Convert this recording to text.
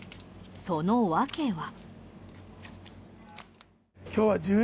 その訳は。